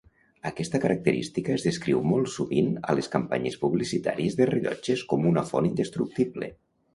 Aquesta característica es descriu molt sovint a les campanyes publicitàries de rellotges com una font indestructible.